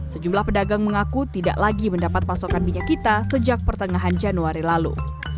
sejumlah pedagang mengaku tidak lagi mendapat pasokan minyak kita sejak pertengahan januari lalu